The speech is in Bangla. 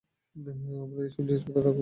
আমার এই সব জিনিসপত্র- রঘুপতি।